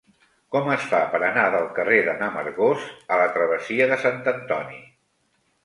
Com es fa per anar del carrer de n'Amargós a la travessia de Sant Antoni?